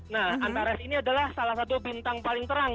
nah antares ini adalah salah satu bintang paling terang